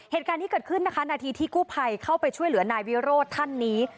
เหตุการณ์นี้เกิดขึ้นนะคะนาทีที่กู้ภัยเข้าไปช่วยเหลือนายวิโรธท่านนี้